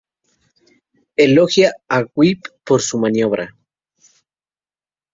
Elogia a Whip por su maniobra.